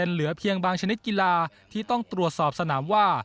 เหลือเพียงบางชนิดกีฬาที่ต้องตรวจสอบสนามว่า